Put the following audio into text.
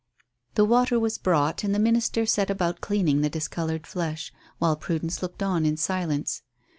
The water was brought, and the minister set about cleaning the discoloured flesh, while Prudence looked on in silence.